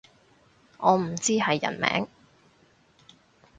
我唔知係人名